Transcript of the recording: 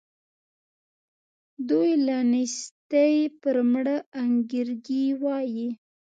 دوی له نېستي پر مړه انګرېږي وايي.